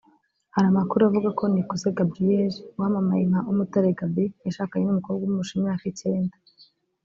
Hari amakuru avuga ko Nikuze Gabriel wamamaye nka Umutare Gaby yashakanye n’umukobwa umurusha imyaka icyenda